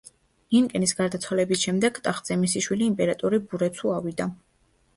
ნინკენის გარდაცვალების შემდეგ, ტახტზე მისი შვილი იმპერატორი ბურეცუ ავიდა.